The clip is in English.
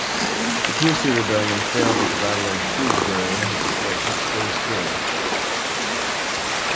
The Percy rebellion failed at the Battle of Shrewsbury, where Hotspur was killed.